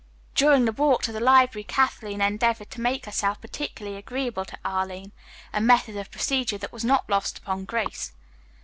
During the walk to the library Kathleen endeavored to make herself particularly agreeable to Arline, a method of procedure that was not lost upon Grace.